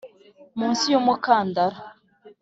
munsi y'umukandara